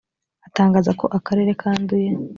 atangaza ko akarere kanduye